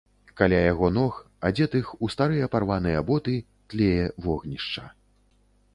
Каля яго ног, адзетых у старыя парваныя боты, тлее вогнішча.